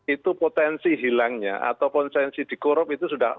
itu potensi hilangnya atau potensi dikorup itu sudah empat empat juta